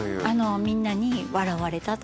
みんなに笑われた。